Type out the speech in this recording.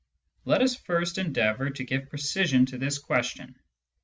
Let us first endeavour to give precision to this question.